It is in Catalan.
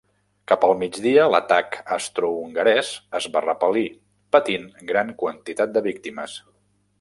Cap al migdia, l'atac austrohongarès es va repel·lir, patint gran quantitat de víctimes.